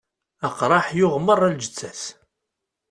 Aqraḥ yuɣ merra lǧett-as.